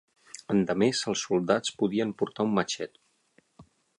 Endemés els soldats podien portar un matxet.